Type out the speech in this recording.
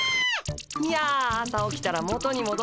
いや朝起きたら元にもどってました。